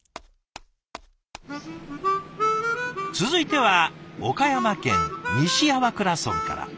続いては岡山県西粟倉村から。